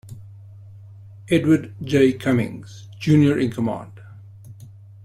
Edward J. Cummings, Junior in command.